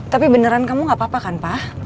tapi beneran kamu nggak apa apa kan pa